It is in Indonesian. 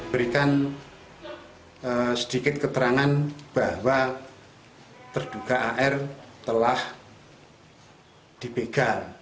berikan sedikit keterangan bahwa terduga ar telah dipegang